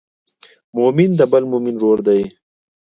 مؤمن د بل مؤمن ورور دی.